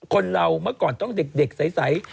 คนเราเมื่อก่อนต้องเด็กใส